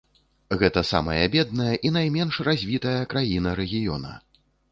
Гэта самая бедная і найменш развітая краіна рэгіёна.